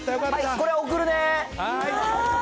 これ送るね。